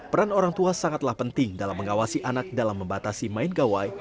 peran orang tua sangatlah penting dalam mengawasi anak dalam membatasi main gawai